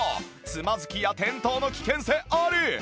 つまずきや転倒の危険性あり